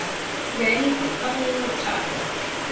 ready for covering with chocolate.